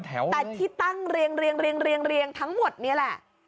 แต่ที่ตั้งเรียงทั้งหมดนี่แหละ